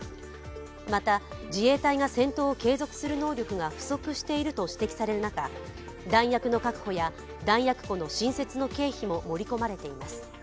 また自衛隊が戦闘を継続する能力が不足していると指摘される中、弾薬の確保や弾薬庫の新設の経費も盛り込まれています。